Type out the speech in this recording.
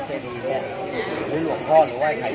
สวัสดีครับพี่เบนสวัสดีครับ